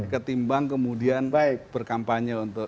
ketimbang kemudian berkampanye untuk